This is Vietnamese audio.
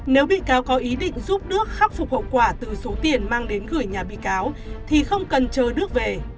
nếu bị cáo có ý định giúp đức khắc phục hậu quả từ số tiền mang đến gửi nhà bị cáo thì không cần chờ nước về